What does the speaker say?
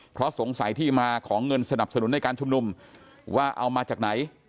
เพราะสงสัยที่มาของเงินสนับสนุนในการชุมนุมว่าเอามาจากไหน